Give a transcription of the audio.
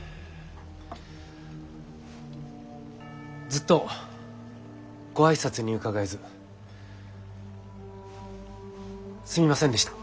ずっとご挨拶に伺えずすみませんでした。